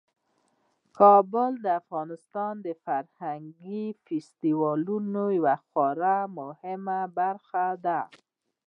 کابل د افغانستان د فرهنګي فستیوالونو یوه خورا مهمه برخه ده.